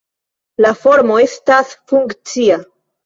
La formo estas funkcia.